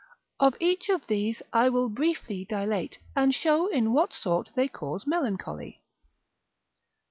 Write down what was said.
Of each of these I will briefly dilate, and show in what sort they cause melancholy.